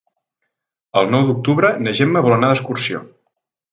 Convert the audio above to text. El nou d'octubre na Gemma vol anar d'excursió.